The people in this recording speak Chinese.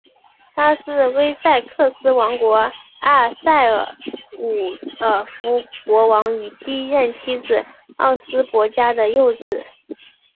他是威塞克斯王国埃塞尔伍尔夫国王与第一任妻子奥斯博嘉的幼子。